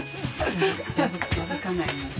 破かないように。